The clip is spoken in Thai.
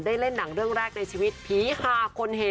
เล่นหนังเรื่องแรกในชีวิตผีหาคนเฮ